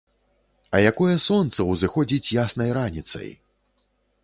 А якое сонца ўзыходзіць яснай раніцай!